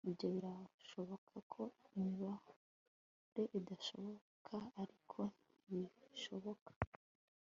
Ibyo birashoboka ko imibare idashoboka ariko ntibishoboka